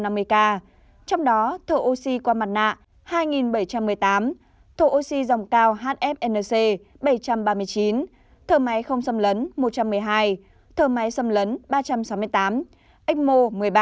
trong đó thở oxy qua mặt nạ hai bảy trăm một mươi tám thở oxy dòng cao hfnc bảy trăm ba mươi chín thở máy không xâm lấn một trăm một mươi hai thở máy xâm lấn ba trăm sáu mươi tám ếch mô một mươi ba